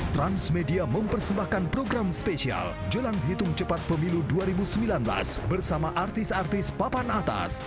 transmedia mempersembahkan program spesial jelang hitung cepat pemilu dua ribu sembilan belas bersama artis artis papan atas